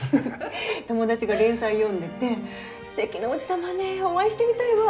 友達が連載読んでて「素敵な叔父様ねお会いしてみたいわ」